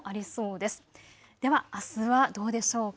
ではあすはどうでしょうか。